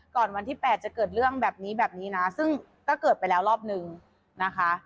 วันที่๘จะเกิดเรื่องแบบนี้แบบนี้นะซึ่งก็เกิดไปแล้วรอบนึงนะคะ